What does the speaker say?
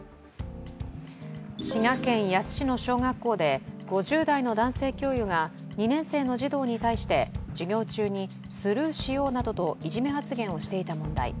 滋賀県野洲市の小学校で５０代の男性教諭が２年生の児童に対して授業中にスルーしようなどといじめ発言をしていた問題。